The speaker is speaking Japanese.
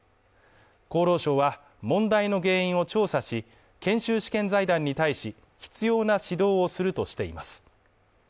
厚労省は、問題の原因を調査し、研修試験財団に対し、必要な指導をするとしています。